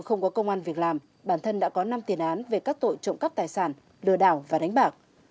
không có công an việc làm bản thân đã có năm tiền án về các tội trộm cắp tài sản lừa đảo và đánh bạc